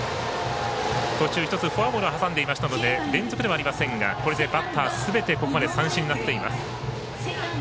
途中、１つフォアボールを挟んでいましたので連続ではありませんがバッターすべてここまで三振になっています。